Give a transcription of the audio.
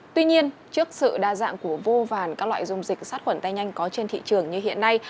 tuy nhiên trước sự đa dạng của vô vàn các loại dung dịch sát khuẩn tay nhanh có trên thị trường như hiện nay